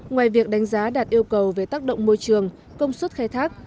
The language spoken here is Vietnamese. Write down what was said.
ngoài việc đánh giá đạt yêu cầu về tác động môi trường công suất khai thác